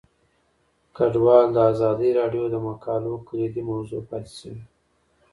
کډوال د ازادي راډیو د مقالو کلیدي موضوع پاتې شوی.